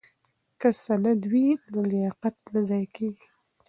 که سند وي نو لیاقت نه ضایع کیږي.